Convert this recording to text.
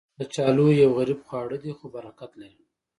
کچالو یو غریب خواړه دی، خو برکت لري